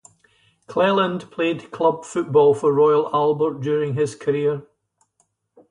Clelland played club football for Royal Albert during his career.